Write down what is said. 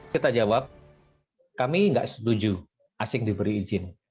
kita jawab kami nggak setuju asing diberi izin